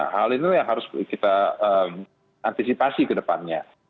hal itu yang harus kita antisipasi ke depan